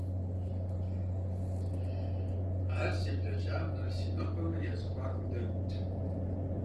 Ар си блэкӀамрэ си нобэмрэ я зэхуакум дэтт.